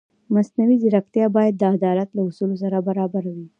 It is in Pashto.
مصنوعي ځیرکتیا باید د عدالت له اصولو سره برابره وي.